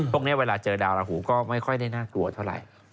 พวกนี้เวลาเจอดาวราหูก็ไม่ค่อยได้น่ากลัวเท่าไหร่